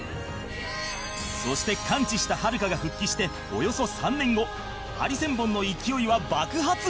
そして完治したはるかが復帰しておよそ３年後ハリセンボンの勢いは爆発！